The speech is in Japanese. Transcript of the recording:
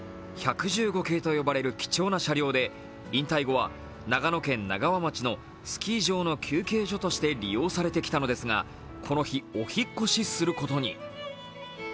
１１５系と呼ばれる貴重な車両で引退後は長野県長和町のスキー場の休憩所として利用されてきたのですがこの日、お引っ越しすることに。